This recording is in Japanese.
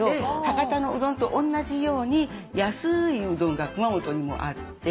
博多のうどんと同じように安いうどんが熊本にもあって。